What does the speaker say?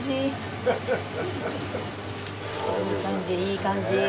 いい感じいい感じ。